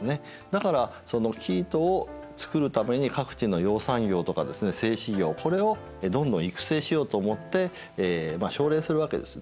だからその生糸をつくるために各地の養蚕業とかですね製糸業これをどんどん育成しようと思ってまあ奨励するわけです。